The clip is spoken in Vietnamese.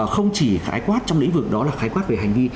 không chỉ khái quát trong lĩnh vực đó là khái quát về hành vi